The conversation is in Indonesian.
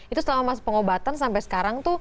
itu setelah masuk pengobatan sampai sekarang